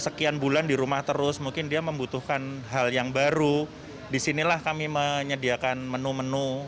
sekian bulan di rumah terus mungkin dia membutuhkan hal yang baru disinilah kami menyediakan menu menu